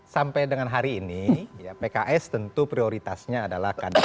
sampai dengan hari ini ya pks tentu prioritasnya adalah kandidat